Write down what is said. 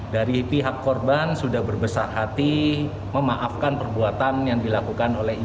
dari pihak korban sudah berbesar hati memaafkan perbuatan yang dilakukan oleh ibu